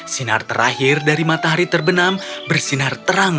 sinar terakhir dari matahari terbenam bersinar terang